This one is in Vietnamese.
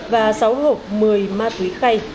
và sáu hộp một mươi ma túy cây